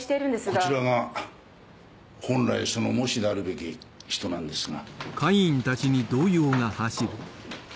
こちらが本来その喪主であるべき人なんですが。